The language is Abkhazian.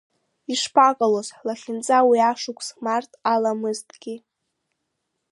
Ишԥаҟалоз ҳлахьынҵа уи ашықәс март аламызҭгьы?